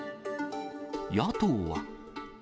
野党は。